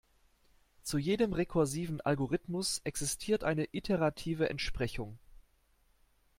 Zu jedem rekursiven Algorithmus existiert eine iterative Entsprechung.